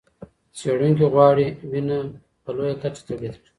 څېړونکي غواړي وینه په لویه کچه تولید کړي.